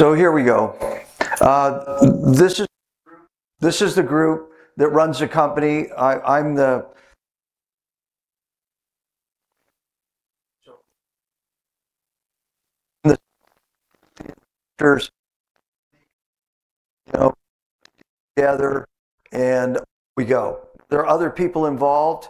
Here we go. This is the group that runs the company. I'm the together, and we go. There are other people involved.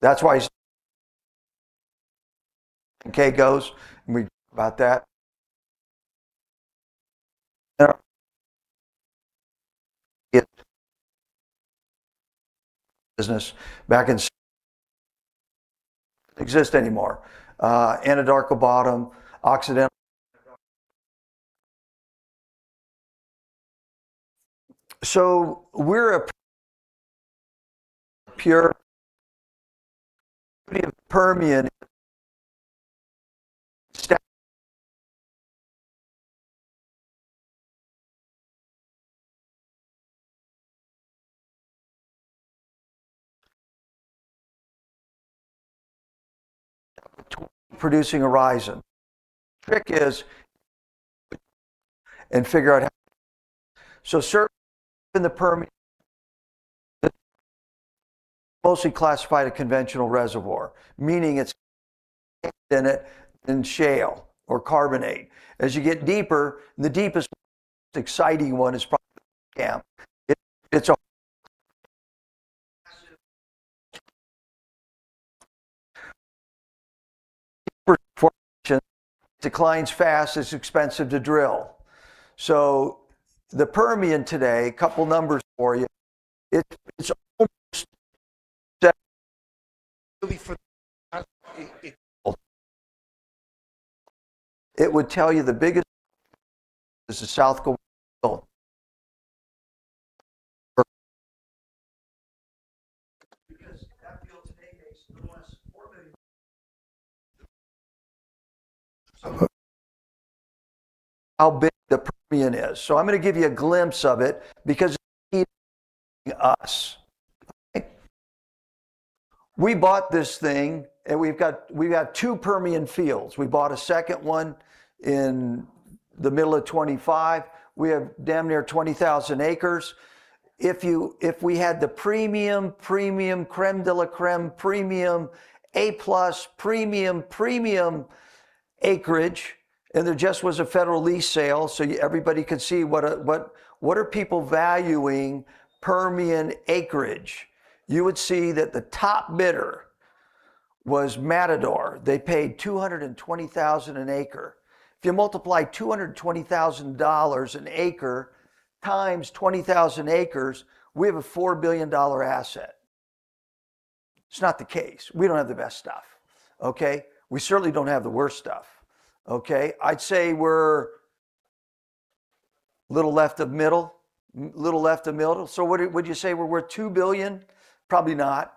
That's why goes, and we talk about that. business back in exist anymore. Anadarko, Bottom, Occidental. We're a pure Permian producing horizon. Trick is and figure out how. Certainly in the Permian mostly classified a conventional reservoir, meaning it's in shale or carbonate. As you get deeper, the deepest, most exciting one is probably Camp. It's declines fast, it's expensive to drill. The Permian today, couple numbers for you, it. It would tell you the biggest is the South Justis. That field today makes more than $4 million. How big the Permian is. I'm going to give you a glimpse of it because us. We bought this thing, and we've got two Permian fields. We bought a second one in the middle of 2025. We have damn near 20,000 acres. If we had the premium creme de la creme, premium A-plus, premium acreage, and there just was a federal lease sale, everybody could see what are people valuing Permian acreage. You would see that the top bidder was Matador Resources. They paid $220,000 an acre. If you multiply $220,000 an acre times 20,000 acres, we have a $4 billion asset. It's not the case. We don't have the best stuff. Okay. We certainly don't have the worst stuff. Okay. I'd say we're little left of middle. Would you say we're worth $2 billion? Probably not.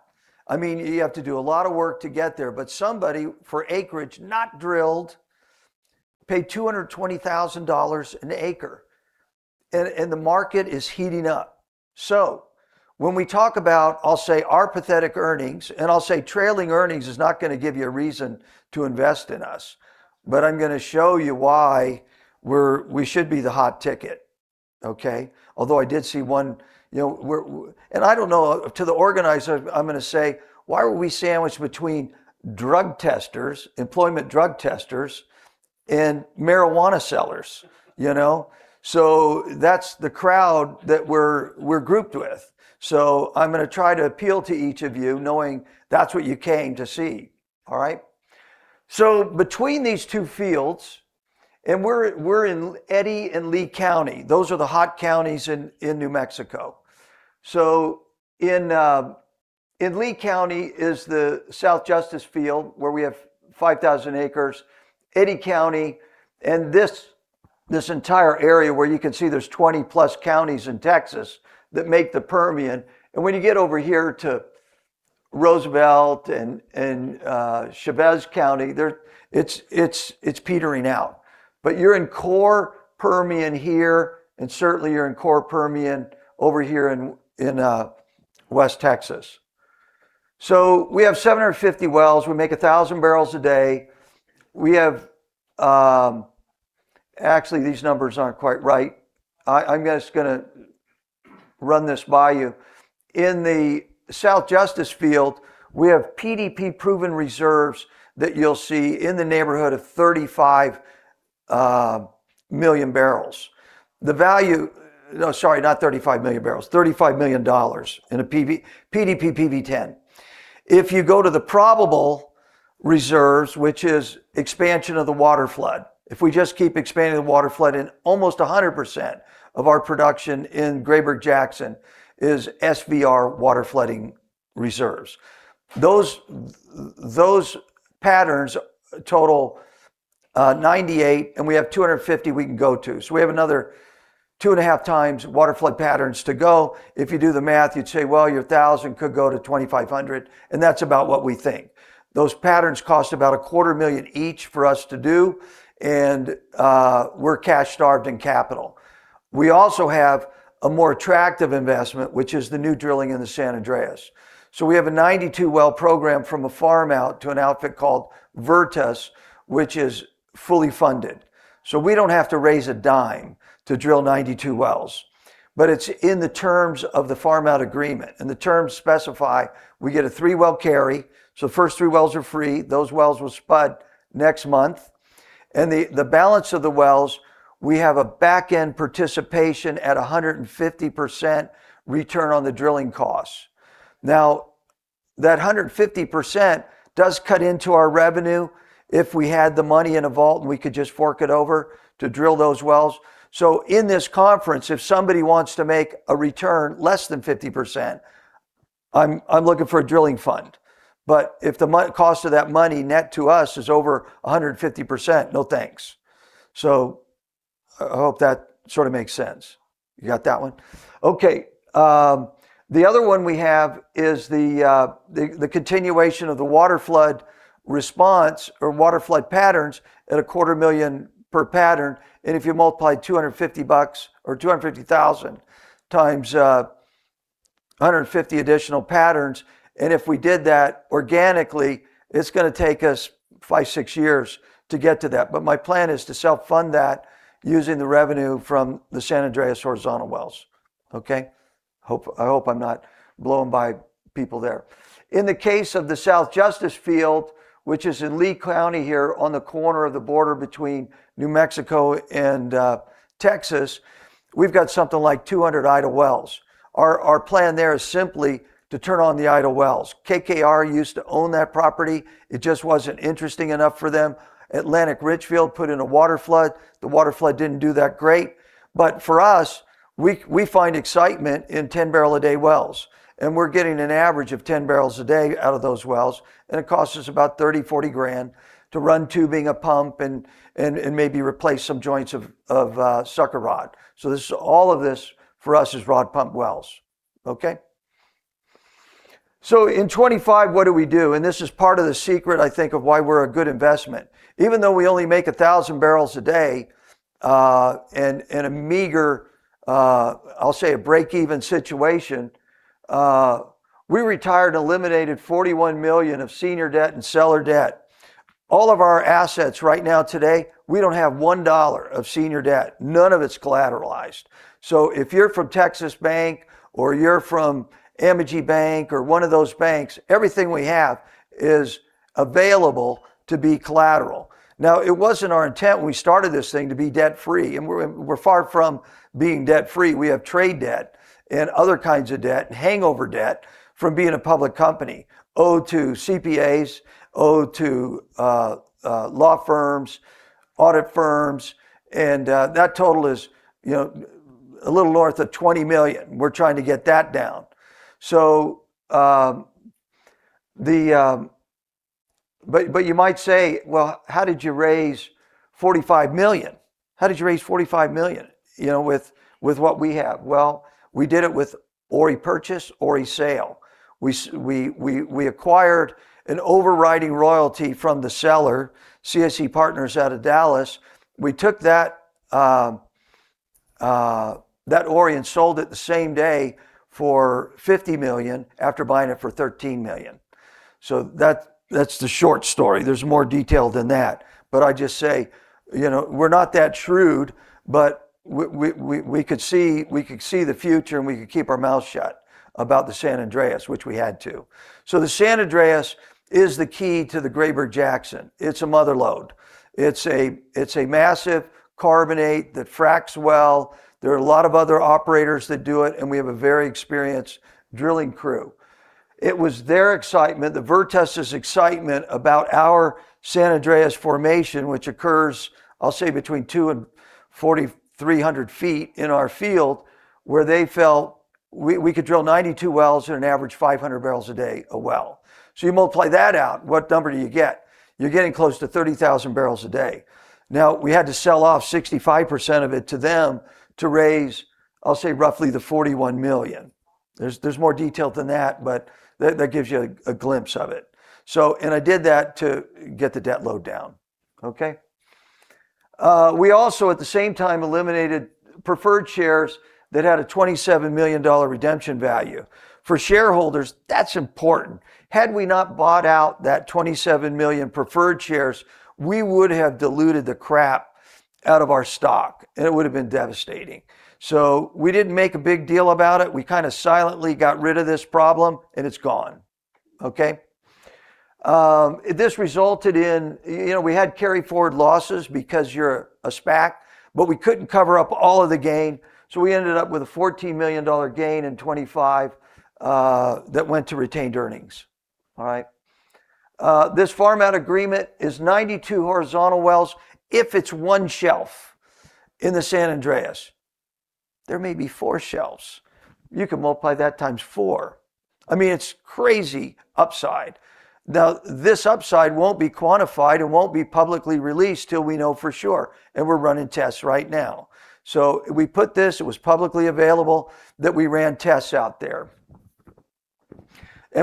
You have to do a lot of work to get there, but somebody for acreage not drilled paid $220,000 an acre, and the market is heating up. When we talk about, I'll say our pathetic earnings, and I'll say trailing earnings is not going to give you a reason to invest in us, but I'm going to show you why we should be the hot ticket. Okay. Although I did see one. I don't know, to the organizer, I'm going to say, why were we sandwiched between drug testers, employment drug testers, and marijuana sellers? That's the crowd that we're grouped with. I'm going to try to appeal to each of you knowing that's what you came to see. All right. Between these two fields, and we're in Eddy and Lea County. Those are the hot counties in New Mexico. In Lea County is the South Justis Field, where we have 5,000 acres. Eddy County and this entire area where you can see there's 20-plus counties in Texas that make the Permian. When you get over here to Roosevelt and Chaves County, it's petering out. You're in core Permian here, and certainly you're in core Permian over here in West Texas. We have 750 wells. We make 1,000 barrels a day. Actually, these numbers aren't quite right. I'm just going to run this by you. In the South Justis Field, we have PDP proven reserves that you'll see in the neighborhood of 35 million barrels. No, sorry, not 35 million barrels, $35 million in a PDP PV-10. If you go to the probable reserves, which is expansion of the waterflood, if we just keep expanding the waterflood in almost 100% of our production in Grayburg-Jackson Field is SRV waterflooding reserves. Those patterns total 98, we have 250 we can go to. We have another 2.5x Waterflood patterns to go. If you do the math, you would say, well, your 1,000 could go to 2,500, and that is about what we think. Those patterns cost about a quarter million each for us to do, and we are cash-starved in capital. We also have a more attractive investment, which is the new drilling in the San Andres. We have a 92-well program from a farm-out to an outfit called Virtus, which is fully funded. We do not have to raise a dime to drill 92 wells. It is in the terms of the farm-out agreement, and the terms specify we get a three-well carry. The first three wells are free. Those wells will spud next month. The balance of the wells, we have a backend participation at 150% return on the drilling costs. Now, that 150% does cut into our revenue if we had the money in a vault, and we could just fork it over to drill those wells. In this conference, if somebody wants to make a return less than 50%, I am looking for a drilling fund. If the cost of that money net to us is over 150%, no thanks. I hope that sort of makes sense. You got that one? Okay. The other one we have is the continuation of the waterflood response or waterflood patterns at a quarter million per pattern. If you multiply 250 bucks or 250,000x150 additional patterns, if we did that organically, it is going to take us five, six years to get to that. My plan is to self-fund that using the revenue from the San Andres horizontal wells. Okay? I hope I am not blowing by people there. In the case of the South Justis field, which is in Lea County here on the corner of the border between New Mexico and Texas, we have got something like 200 idle wells. Our plan there is simply to turn on the idle wells. KKR used to own that property. It just was not interesting enough for them. Atlantic Richfield put in a waterflood. The waterflood did not do that great. For us, we find excitement in 10-barrel-a-day wells, and we are getting an average of 10 barrels a day out of those wells. It costs us about 30, 40 grand to run tubing, a pump, and maybe replace some joints of sucker rod. All of this for us is rod pump wells. Okay? In 2025, what do we do? This is part of the secret, I think, of why we are a good investment. Even though we only make 1,000 barrels a day and a meager, I will say a break-even situation, we retired and eliminated $41 million of senior debt and seller debt. All of our assets right now today, we do not have $1 of senior debt. None of it is collateralized. If you are from Texas Bank or you are from Amegy Bank or one of those banks, everything we have is available to be collateral. Now, it was not our intent when we started this thing to be debt-free, and we are far from being debt-free. We have trade debt and other kinds of debt and hangover debt from being a public company, owed to CPAs, owed to law firms, audit firms, and that total is a little north of $20 million. We're trying to get that down. You might say, well, how did you raise $45 million? How did you raise $45 million with what we have? Well, we did it with ORRI purchase, ORRI sale. We acquired an overriding royalty from the seller, CSE Partners out of Dallas. We took that ORRI and sold it the same day for $50 million after buying it for $13 million. That's the short story. There's more detail than that, but I just say, we're not that shrewd, but we could see the future, and we could keep our mouth shut about the San Andres, which we had to. The San Andres is the key to the Grayburg-Jackson. It's a mother lode. It's a massive carbonate that fracks well. There are a lot of other operators that do it, and we have a very experienced drilling crew. It was their excitement, the Virtus' excitement about our San Andres formation, which occurs, I'll say between two and 4,300 feet in our field, where they felt we could drill 92 wells at an average 500 barrels a day a well. You multiply that out, what number do you get? You're getting close to 30,000 barrels a day. We had to sell off 65% of it to them to raise, I'll say roughly the $41 million. There's more detail than that, but that gives you a glimpse of it. I did that to get the debt load down. Okay? We also, at the same time, eliminated preferred shares that had a $27 million redemption value. For shareholders, that's important. Had we not bought out that $27 million preferred shares, we would have diluted the crap out of our stock, and it would've been devastating. We didn't make a big deal about it. We kind of silently got rid of this problem, and it's gone. Okay? This resulted in, we had carry forward losses because you're a SPAC, but we couldn't cover up all of the gain, so we ended up with a $14 million gain in 2025 that went to retained earnings. All right? This farm-out agreement is 92 horizontal wells if it's one shelf in the San Andres. There may be four shelves. You can multiply that times four. It's crazy upside. This upside won't be quantified and won't be publicly released till we know for sure, and we're running tests right now. We put this, it was publicly available, that we ran tests out there.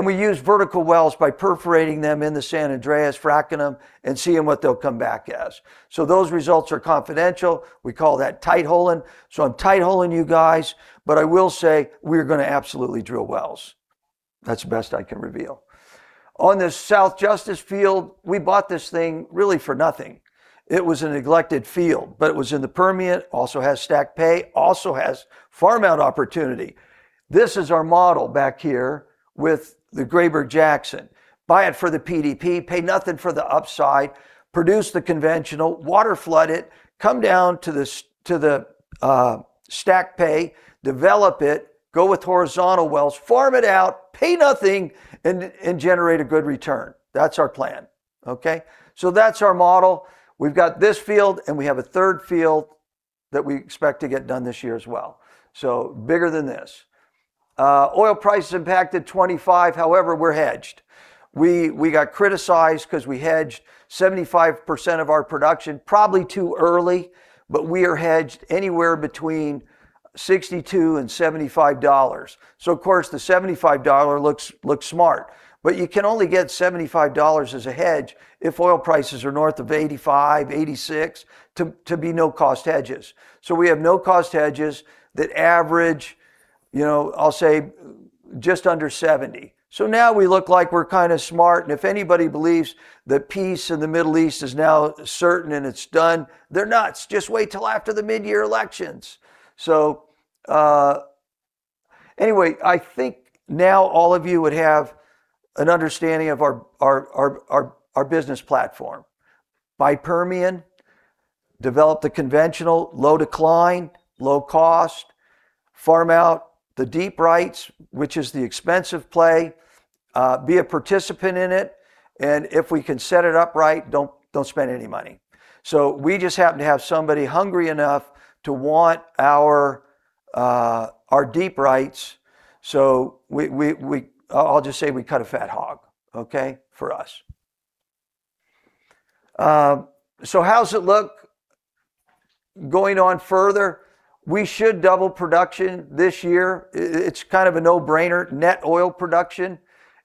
We used vertical wells by perforating them in the San Andres, fracking them, and seeing what they'll come back as. Those results are confidential. We call that tight holing. I'm tight holing you guys, but I will say we're going to absolutely drill wells. That's the best I can reveal. On this South Justis field, we bought this thing really for nothing. It was a neglected field. It was in the Permian, also has stacked pay, also has farm-out opportunity. This is our model back here with the Grayburg-Jackson. Buy it for the PDP, pay nothing for the upside, produce the conventional, waterflood it, come down to the stacked pay, develop it, go with horizontal wells, farm it out, pay nothing, and generate a good return. That's our plan. Okay? That's our model. We've got this field, and we have a third field that we expect to get done this year as well. Bigger than this. Oil prices impacted 2025, however, we're hedged. We got criticized because we hedged 75% of our production probably too early. We are hedged anywhere between $62 and $75. Of course, the $75 looks smart, but you can only get $75 as a hedge if oil prices are north of $85, $86, to be no-cost hedges. We have no-cost hedges that average, I'll say just under $70. Now we look like we're kind of smart, and if anybody believes that peace in the Middle East is now certain and it's done, they're nuts. Just wait till after the mid-year elections. Anyway, I think now all of you would have an understanding of our business platform. Buy Permian, develop the conventional, low decline, low cost, farm out the deep rights, which is the expensive play, be a participant in it, and if we can set it up right, don't spend any money. We just happen to have somebody hungry enough to want our deep rights. I'll just say we cut a fat hog, for us. How's it look going on further? We should double production this year. It's kind of a no-brainer. Net oil production,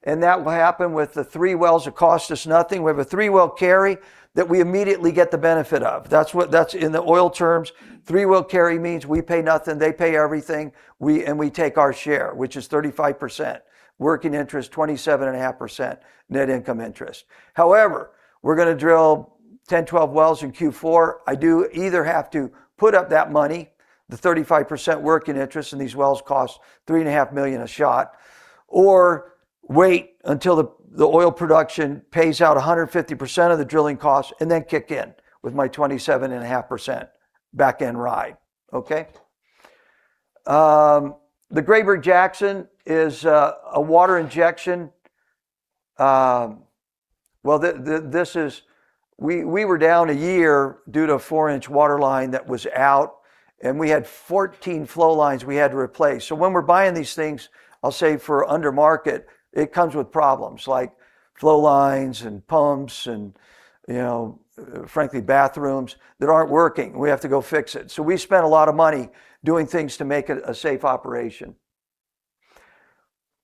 and that will happen with the three wells that cost us nothing. We have a three-well carry that we immediately get the benefit of. In the oil terms, three-well carry means we pay nothing, they pay everything, and we take our share, which is 35% working interest, 27.5% net income interest. However, we're going to drill 10, 12 wells in Q4. I do either have to put up that money, the 35% working interest in these wells cost three and a half million dollars a shot, or wait until the oil production pays out 150% of the drilling cost and then kick in with my 27.5% backend ride. Okay? The Grayburg-Jackson is a water injection. We were down a year due to a four-inch waterline that was out, and we had 14 flow lines we had to replace. When we're buying these things, I'll say for under market, it comes with problems, like flow lines and pumps and, frankly, bathrooms that aren't working. We have to go fix it. We spent a lot of money doing things to make it a safe operation.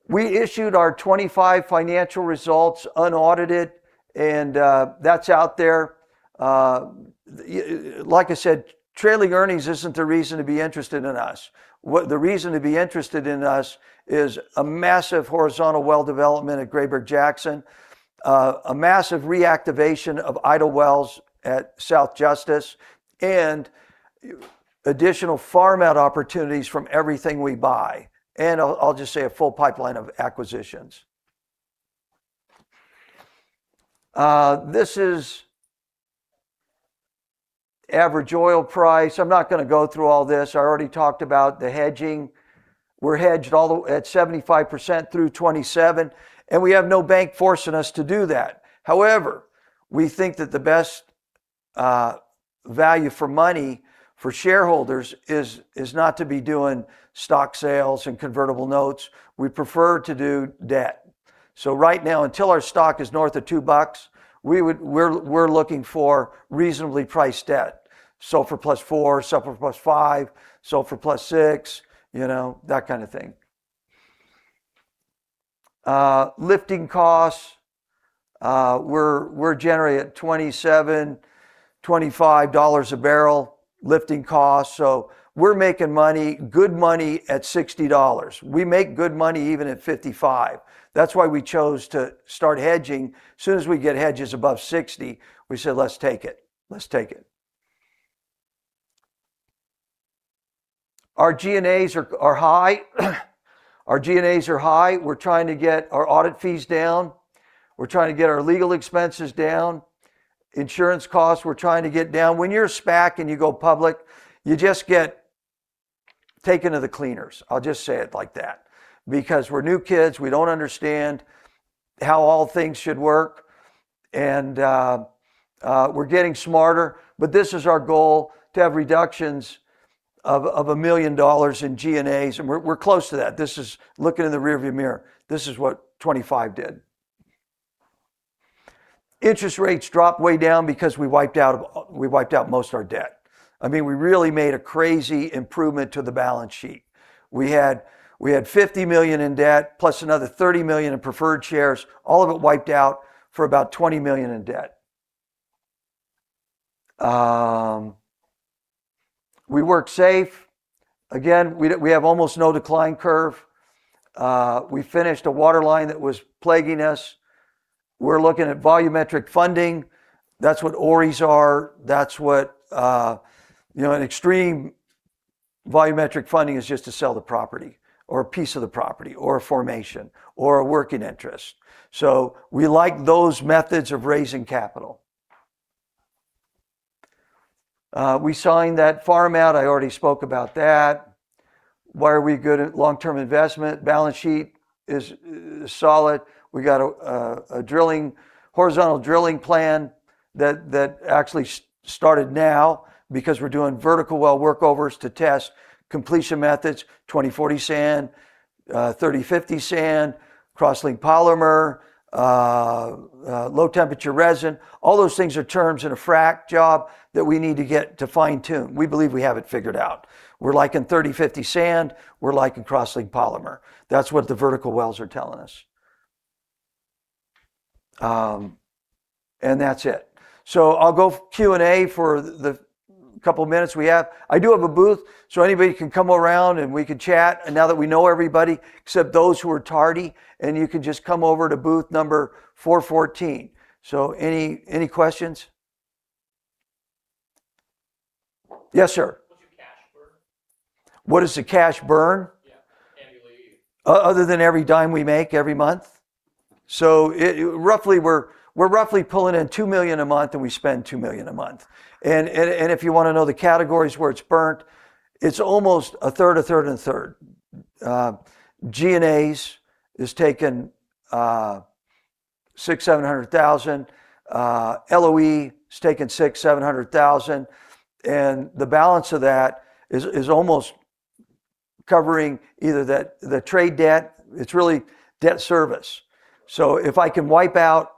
We issued our 2025 financial results unaudited, and that's out there. Like I said, trailing earnings isn't the reason to be interested in us. The reason to be interested in us is a massive horizontal well development at Grayburg-Jackson, a massive reactivation of idle wells at South Justis, and additional farm-out opportunities from everything we buy. I'll just say a full pipeline of acquisitions. This is average oil price. I'm not going to go through all this. I already talked about the hedging. We're hedged at 75% through 2027, and we have no bank forcing us to do that. However, we think that the best value for money for shareholders is not to be doing stock sales and convertible notes. We prefer to do debt. Right now, until our stock is north of $2, we're looking for reasonably priced debt. SOFR+ four, SOFR+ five, SOFR+ six, that kind of thing. Lifting costs. We're generally at $27, $25 a barrel lifting cost. We're making money, good money, at $60. We make good money even at $55. That's why we chose to start hedging. As soon as we'd get hedges above $60, we said, let's take it. Our G&As are high. Our G&As are high. We're trying to get our audit fees down. We're trying to get our legal expenses down. Insurance costs, we're trying to get down. When you're a SPAC and you go public, you just get taken to the cleaners. I'll just say it like that. Because we're new kids, we don't understand how all things should work, and we're getting smarter, but this is our goal, to have reductions of $1 million in G&As, and we're close to that. This is looking in the rear-view mirror. This is what 2025 did. Interest rates dropped way down because we wiped out most our debt. We really made a crazy improvement to the balance sheet. We had $50 million in debt plus another $30 million in preferred shares, all of it wiped out for about $20 million in debt. We worked safe. Again, we have almost no decline curve. We finished a waterline that was plaguing us. We're looking at volumetric funding. That's what ORRIs are. An extreme volumetric funding is just to sell the property, or a piece of the property, or a formation, or a working interest. We like those methods of raising capital. We signed that farm-out. I already spoke about that. Why are we good at long-term investment? Balance sheet is solid. We got a horizontal drilling plan that actually started now because we're doing vertical well workovers to test completion methods, 20/40 sand, 30/50 sand, cross-linked polymer, low-temperature resin. All those things are terms in a frack job that we need to get to fine-tune. We believe we have it figured out. We're liking 30/50 sand, we're liking cross-linked polymer. That's what the vertical wells are telling us. That's it. I'll go Q&A for the couple of minutes we have. I do have a booth, anybody can come around and we can chat, now that we know everybody, except those who are tardy, you can just come over to booth number 414. Any questions? Yes, sir. What's your cash burn? What is the cash burn? Yeah. Annually. Other than every dime we make every month? We're roughly pulling in $2 million a month and we spend $2 million a month. If you want to know the categories where it's burnt, it's almost 1/3, 1/3, and 1/3. G&As is taking $600,000, $700,000. LOE's taking $600,000, $700,000. The balance of that is almost covering either the trade debt, it's really debt service. If I can wipe out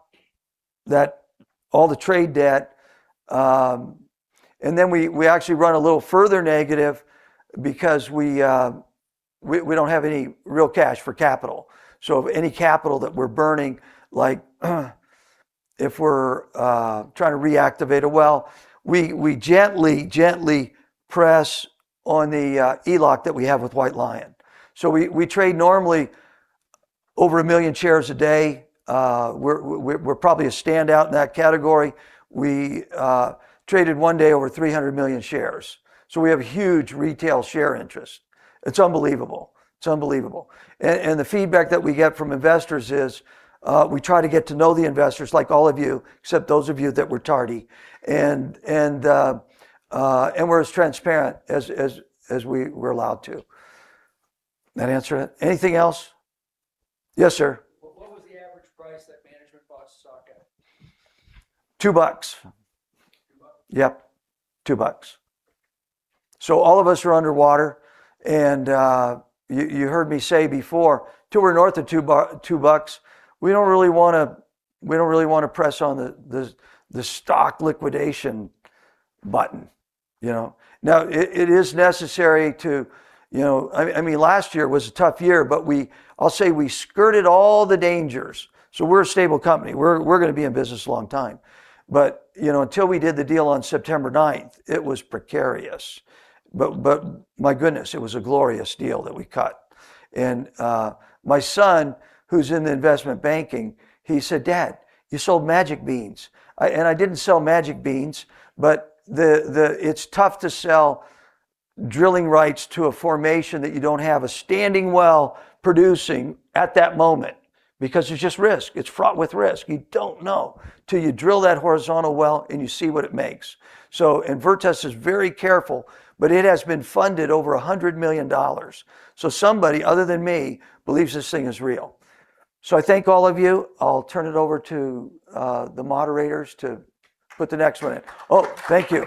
all the trade debt, then we actually run a little further negative because we don't have any real cash for capital. Any capital that we're burning, like if we're trying to reactivate a well, we gently press on the ELOC that we have with White Lion. We trade normally over 1 million shares a day. We're probably a standout in that category. We traded one day over 300 million shares. We have huge retail share interest. It's unbelievable. The feedback that we get from investors is, we try to get to know the investors like all of you, except those of you that were tardy. We're as transparent as we're allowed to. That answer it? Anything else? Yes, sir. What was the average price that management bought stock at? $2. $2? Yep. $2. All of us are underwater, and you heard me say before, till we're north of $2, we don't really want to press on the stock liquidation button. Last year was a tough year, but I'll say we skirted all the dangers. We're a stable company. We're going to be in business a long time. Until we did the deal on September 9th, it was precarious. My goodness, it was a glorious deal that we cut. My son, who's in the investment banking, he said, "Dad, you sold magic beans." I didn't sell magic beans, but it's tough to sell drilling rights to a formation that you don't have a standing well producing at that moment, because it's just risk. It's fraught with risk. You don't know till you drill that horizontal well and you see what it makes. Virtus is very careful, but it has been funded over $100 million. Somebody other than me believes this thing is real. I thank all of you. I'll turn it over to the moderators to put the next one in. Oh, thank you.